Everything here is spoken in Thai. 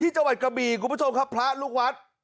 จังหวัดกระบี่คุณผู้ชมครับพระลูกวัด